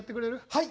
はい！